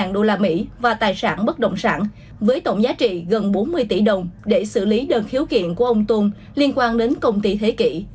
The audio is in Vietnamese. một trăm bốn mươi năm đô la mỹ và tài sản bất động sản với tổng giá trị gần bốn mươi tỷ đồng để xử lý đơn khiếu kiện của ông tôn liên quan đến công ty thế kỷ